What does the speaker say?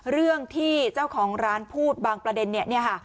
เรื่องที่เจ้าของร้านพูดบางประเด็นเนี่ยค่ะ